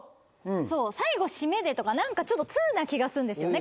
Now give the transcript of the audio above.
そう最後シメでとかなんかちょっと通な気がするんですよね